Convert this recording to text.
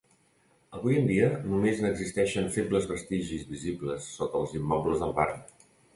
Avui en dia, només n'existeixen febles vestigis visibles sota els immobles del barri.